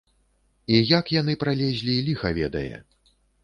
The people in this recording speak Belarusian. І як яны пралезлі, ліха ведае!